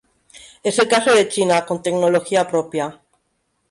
Es el caso de China, con tecnología propia.